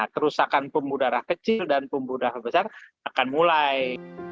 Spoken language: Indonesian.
kerusakan pembuluh darah kecil dan pembuluh darah besar akan mulai